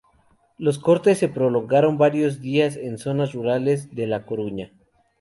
Los cortes se prolongaron varios días en zonas rurales de La Coruña.